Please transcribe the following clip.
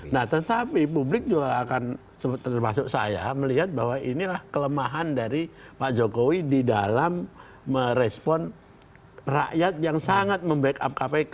nah tetapi publik juga akan termasuk saya melihat bahwa inilah kelemahan dari pak jokowi di dalam merespon rakyat yang sangat membackup kpk